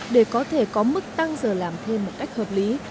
để có thể có mức tăng giờ làm thêm một cách hợp lý